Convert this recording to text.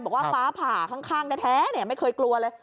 บอกว่าฟ้าผ่าข้างแท้ไม่เคยกลัวเลย